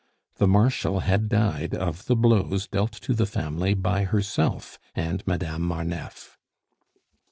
The Marshal had died of the blows dealt to the family by herself and Madame Marneffe.